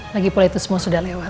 lagi pula itu semua sudah lewat